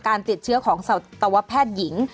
ติดเชื้อของสัตวแพทย์หญิง